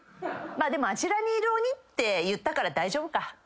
でも『あちらにいる鬼』って言ったから大丈夫か。